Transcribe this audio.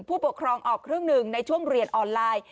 ผู้ปกครองออกครึ่งหนึ่งในช่วงเรียนออนไลน์